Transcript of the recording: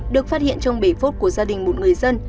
được phát hiện trong bể phốt của gia đình một người dân